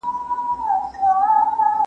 کتاب د پوهي خزانه ده.